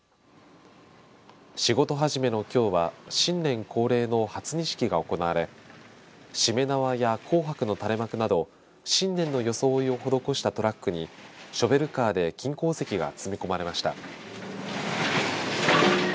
仕事始めのきょうは新年恒例の初荷式が行われしめ縄や紅白の垂れ幕など新年の装いを施したトラックにショベルカーで金鉱石が積み込まれました。